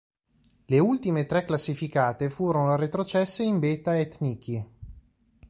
Le ultime tre classificate furono retrocesse in Beta Ethniki.